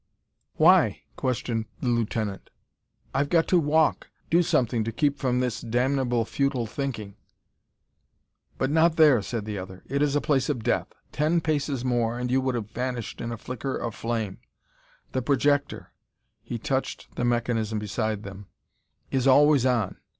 "Why?" questioned the lieutenant. "I've got to walk do something to keep from this damnable futile thinking." "But not there," said the other; "it is a place of death. Ten paces more and you would have vanished in a flicker of flame. The projector" he touched the mechanism beside them "is always on.